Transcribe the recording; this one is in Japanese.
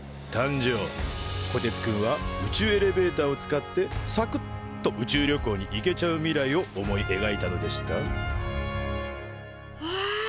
こてつくんは宇宙エレベーターを使ってさくっと宇宙旅行に行けちゃう未来を思いえがいたのでしたほえ